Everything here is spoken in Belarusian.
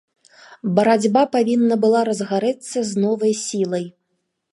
Барацьба павінна была разгарэцца з новай сілай.